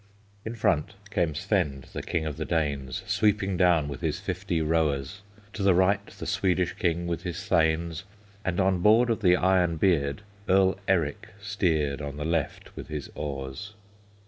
In front came Svend, the King of the Danes, Sweeping down with his fifty rowers; To the right, the Swedish king with his thanes; And on board of the Iron Beard Earl Eric steered On the left with his oars.